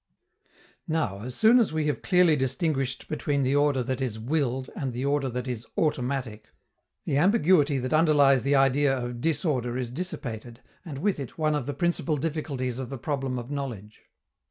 Now, as soon as we have clearly distinguished between the order that is "willed" and the order that is "automatic," the ambiguity that underlies the idea of disorder is dissipated, and, with it, one of the principal difficulties of the problem of knowledge.